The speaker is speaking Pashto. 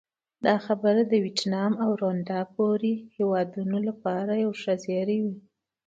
دا خبره د ویتنام او روندا پورې هېوادونو لپاره یو ښه زېری وي.